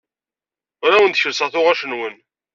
Ur awen-d-kellseɣ tuɣac-nwen.